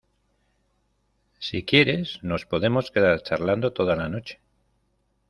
si quieres, nos podemos quedar charlando toda la noche.